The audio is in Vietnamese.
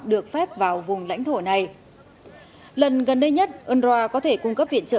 được phép vào vùng lãnh thổ này lần gần đây nhất unrwa có thể cung cấp viện trợ